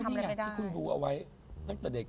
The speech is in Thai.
นี่ไงที่คุณดูเอาไว้ตั้งแต่เด็ก